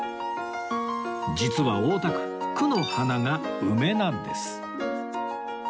実は大田区区の花が梅なんです